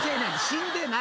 死んでない。